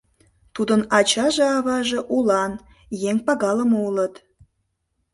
Тудын ачаже-аваже улан, еҥ пагалыме улыт.